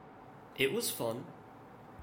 It was fun.